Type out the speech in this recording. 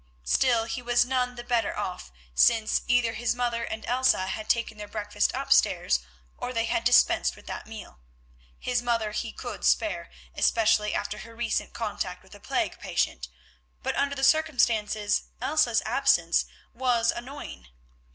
Still he was none the better off, since either his mother and Elsa had taken their breakfast upstairs, or they had dispensed with that meal. His mother he could spare, especially after her recent contact with a plague patient, but under the circumstances Elsa's absence was annoying.